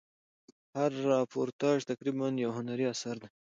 هر راپورتاژ تقریبآ یو هنري اثر دئ.